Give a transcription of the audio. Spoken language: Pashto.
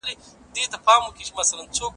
هغه کتاب چې ما اخیستی و ډېر ګټور دی.